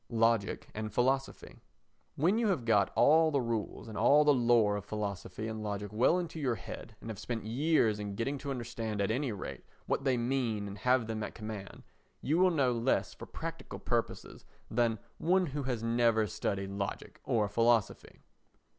Logic and Philosophy When you have got all the rules and all the lore of philosophy and logic well into your head, and have spent years in getting to understand at any rate what they mean and have them at command, you will know less for practical purposes than one who has never studied logic or philosophy.